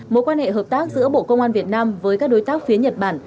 mối quan hệ hợp tác giữa bộ công an việt nam với các đối tác phía nhật bản